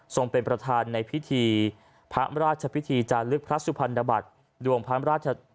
ส่งเป็นประธานในพิธีพระราชภิธีจาลึกพระสุพันธบัตร